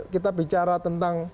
kita bicara tentang